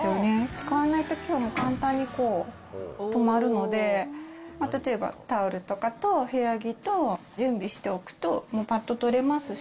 使わないときは簡単に止まるので、例えばタオルとかと、部屋着と準備しておくと、もうぱっと取れますし。